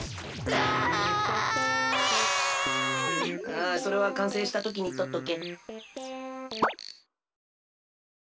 あそれはかんせいしたときにとっとけ。